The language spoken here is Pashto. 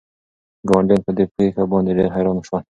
ګاونډیان په دې پېښه باندې ډېر حیران شول.